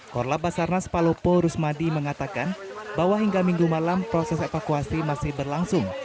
korlap basarnas palopo rusmadi mengatakan bahwa hingga minggu malam proses evakuasi masih berlangsung